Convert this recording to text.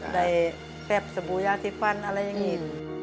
แบบสบู่ยาสีฟันอะไรอย่างนี้